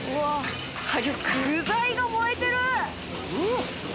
具材が燃えてる！